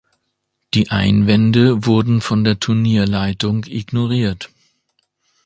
Die Einwände wurden von der Turnierleitung ignoriert.